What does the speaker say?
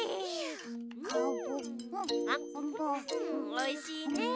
おいしいね！